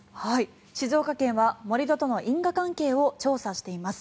静岡県は盛り土との因果関係を調査しています。